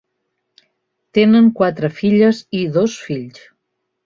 Tenen quatre filles i dos fills.